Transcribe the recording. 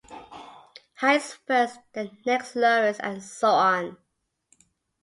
Highest first, then next lowest and so on.